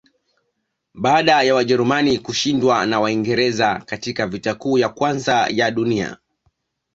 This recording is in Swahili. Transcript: Baada ya Wajerumani kushindwa na Waingereza katika Vita Kuu ya Kwanza ya dunia